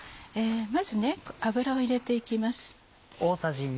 まず油を入れて行きます。